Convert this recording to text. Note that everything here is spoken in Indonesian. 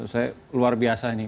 saya luar biasa ini